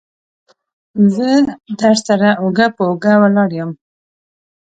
زه درسره اوږه په اوږه ولاړ يم.